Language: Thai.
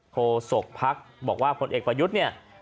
โฆษกพักบอกว่าพลเอกประยุทธเนี่ย